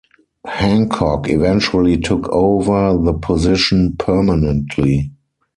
Hancock eventually took over the position permanently.